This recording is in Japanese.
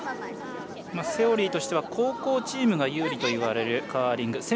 セオリーとしては後攻チームが有利といわれるカーリング。